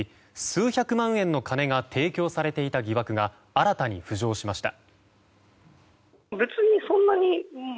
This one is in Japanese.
数百万円の金が提供されていた疑惑が新たに浮上しました。